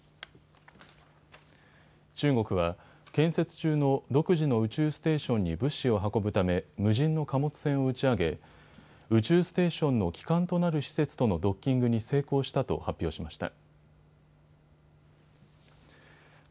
中国は建設中の独自の宇宙ステーションに物資を運ぶため無人の貨物船を打ち上げ宇宙ステーションの基幹となる施設とのドッキングに成功したと発表しました。